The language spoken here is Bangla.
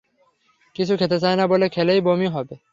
কিছু খেতে চায় না, বলে খেলেই বমি হবে।